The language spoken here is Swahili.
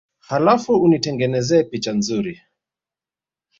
Halafu unitengenezee picha nzuri